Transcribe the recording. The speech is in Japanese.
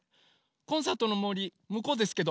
コンサートのもりむこうですけど。